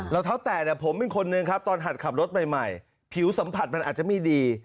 รองเท้าแตกผมเป็นคนหนึ่งครับตอนหัดขับรถใหม่ผิวสัมผัสมันอาจจะไม่ดี